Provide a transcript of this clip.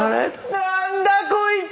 何だ⁉こいつ！